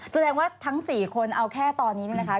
แสดงว่าทั้ง๔คนเอาแค่ตอนนี้เนี่ยนะคะ